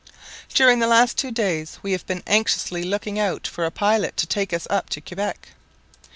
During the last two days we have been anxiously looking out for a pilot to take us up to Quebec.